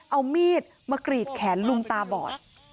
เอามีดมากรีดแขนลุงตาบอด